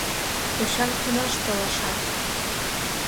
Почаҥ илаш толаша...